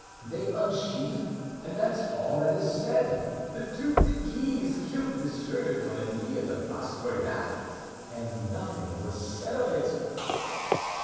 They unsheathe, and that's all that is said. The Duke de Guise killed Monsieur de Coligny in the Place Royale and nothing was said of it."